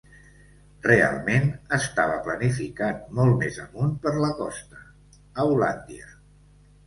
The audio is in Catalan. Realment estava planificat molt més amunt per la costa, a Hollandia.